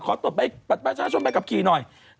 ขอตรวจประชาชนแบบกับกี่หน่อย